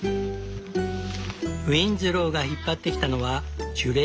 ウィンズローが引っ張ってきたのは樹齢